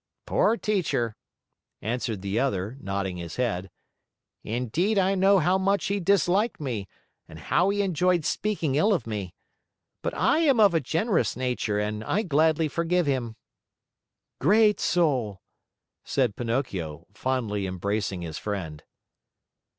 '" "Poor teacher!" answered the other, nodding his head. "Indeed I know how much he disliked me and how he enjoyed speaking ill of me. But I am of a generous nature, and I gladly forgive him." "Great soul!" said Pinocchio, fondly embracing his friend.